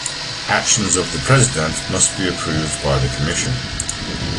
Actions of the President must be approved by the Commission.